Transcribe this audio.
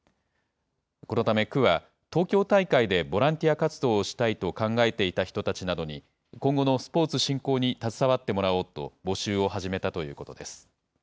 このため区は、東京大会でボランティア活動をしたいと考えていた人たちなどに、今後のスポーツ振興に携わってもらおうと、募集を始めたということです。